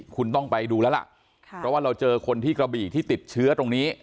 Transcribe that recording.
คุณต้องไปดูแล้วล่ะเพราะว่าเราเจอคนที่กระบี่ที่ติดเชื้อตรงนี้